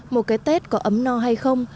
một cái tết có ấm no hay không